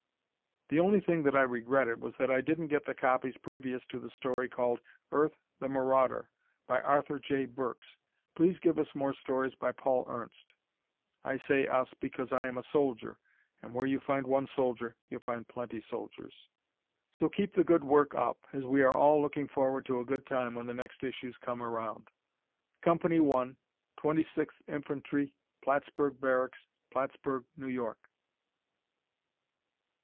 The only thing that I regretted was that I didn't get the copies previous to the story called, "Earth, the Marauder," by Arthur J. Burks. Please give us more stories by Paul Ernst. (I say us because I am a soldier, and where you find one soldier you find plenty soldiers.) So keep the good work up, as we are looking forward to a good time when the next issues come around. Co. "I," 26th Inf. Plattsburgh Barracks, Plattsburgh, New York.